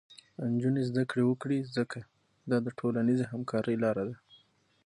نجونې زده کړه وکړي، ځکه دا د ټولنیزې همکارۍ لاره ده.